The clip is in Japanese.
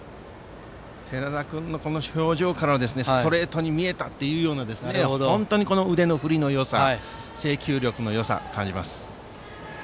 寺田君の表情からもストレートに見えたという本当に腕の振りのよさ制球力のよさを感じます。